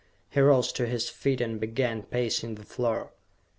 He rose to his feet and began pacing the floor.